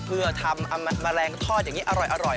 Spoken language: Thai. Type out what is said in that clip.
เพื่อทำแมลงทอดอย่างนี้อร่อย